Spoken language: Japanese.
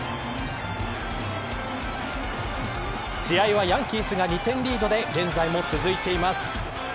試合はヤンキースが２点リードで現在も続いています。